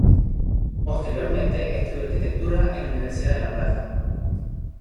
Posteriormente estudio arquitectura en la Universidad de la Plata.